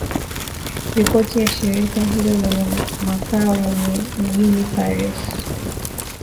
Ripoti ya shirika hilo lenye makao yake mjini Paris